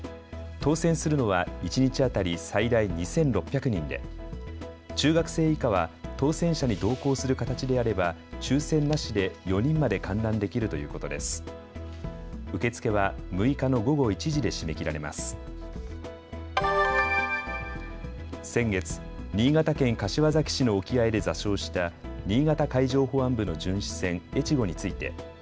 当せんするのは一日当たり最大２６００人で中学生以下は当せん者に同行する形であれば抽せんなしで４人まで観覧できるということです。